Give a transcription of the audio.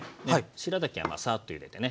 しらたきはサッとゆでてね